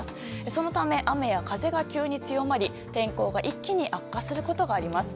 そのため、雨や風が急に強まり天候が一気に悪化することがあります。